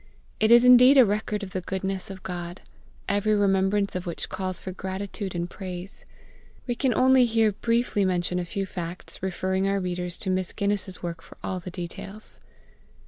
It is indeed a record of the goodness of GOD, every remembrance of which calls for gratitude and praise. We can only here briefly mention a few facts, referring our readers to Miss Guinness's work for all details.